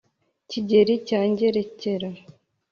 kigeli cya ngerekera